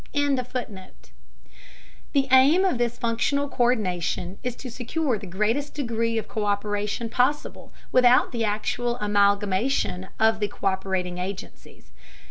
] The aim of this functional co÷rdination is to secure the greatest degree of co÷peration possible without the actual amalgamation of the co÷perating agencies.